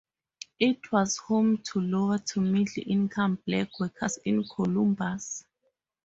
It was home to lower to middle income black workers in Columbus.